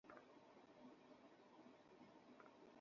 আমি নতুন মালটার উপর নজর রাখতেছি।